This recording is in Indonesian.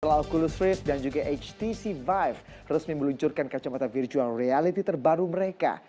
lauculus rift dan juga htc lima resmi meluncurkan kacamata virtual reality terbaru mereka